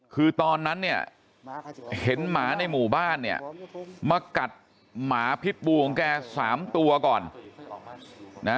คือตอนนั้นเนี่ยเห็นหมาในหมู่บ้านเนี่ยมากัดหมาพิษบูของแก๓ตัวก่อนนะ